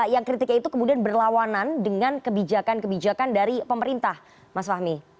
yang kritiknya itu kemudian berlawanan dengan kebijakan kebijakan dari pemerintah mas fahmi